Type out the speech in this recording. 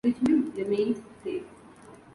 Richmond remained safe.